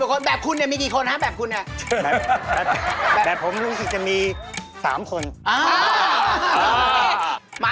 ห้อก็คือว่าถ้ากระพือปีกไม่มองฟ้า